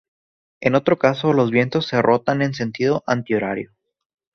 En otro caso, los vientos se rotan en sentido antihorario.